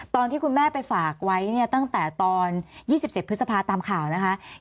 ตอนที่คุณแม่ไปฝากไว้เนี่ยตั้งแต่ตอน๒๗พฤษภาตามข่าวนะคะ